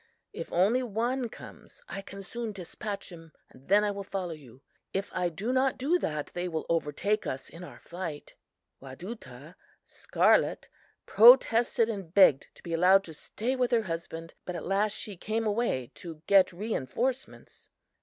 If only one comes, I can soon dispatch him and then I will follow you. If I do not do that, they will overtake us in our flight.' "Wadutah (Scarlet) protested and begged to be allowed to stay with her husband, but at last she came away to get reinforcements.